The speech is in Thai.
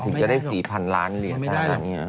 คุณจะได้๔๐๐๐ล้านเหรียญทะลัก